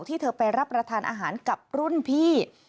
เธอไปรับประทานอาหารกับรุ่นพี่